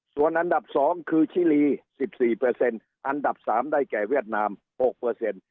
ส่วนอันดับสองคือชิลีสิบสี่เปอร์เซ็นต์อันดับสามได้แก่เวียดนามหกเปอร์เซ็นต์